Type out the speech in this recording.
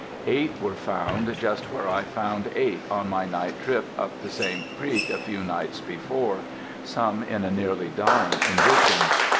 Eight were found just where I found eight on my night trip up the same creek a few nights before, some in a nearly dying condition.